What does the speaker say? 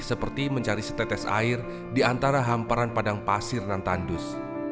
seperti mencari setetes air di antara hamparan padang pasir dan tandus